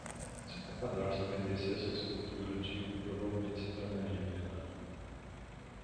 Se meu padrasto vendesse essa escultura antiga, provavelmente se tornaria milionário.